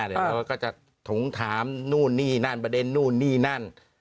แล้วก็จะถงถามนู่นนี่นั่นประเด็นนู่นนี่นั่น